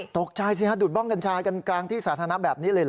ตกใจสิฮะดูดบ้องกัญชากันกลางที่สาธารณะแบบนี้เลยเหรอ